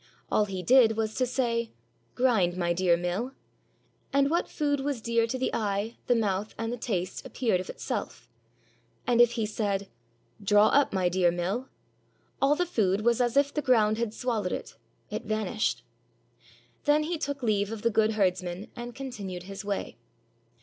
All he did was to say, "Grind, my dear mill," and what food was dear to the eye, the mouth, and the taste ap peared of itself; and if he said, "Draw up, my dear miU," all the food was as if the ground had swallowed it, — it vanished. Then he took leave of the good herds men and continued his way.